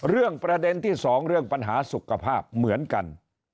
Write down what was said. เรื่องประเด็นที่๒เรื่องปัญหาสุขภาพเหมือนกัน